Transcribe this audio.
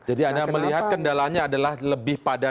jadi anda melihat kendalanya adalah lebih pada